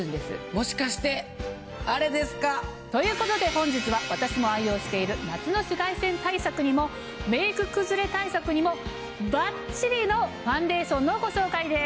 もしかしてあれですか？ということで本日は私も愛用している夏の紫外線対策にもメイク崩れ対策にもバッチリのファンデーションのご紹介です。